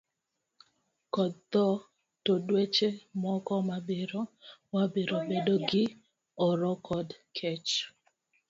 kod tho, to dweche moko mabiro wabiro bedo gi oro kod kech.